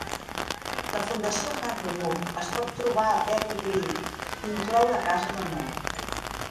La Fundació Henry Moore es pot trobar a Perry Green, i inclou la casa de Moore.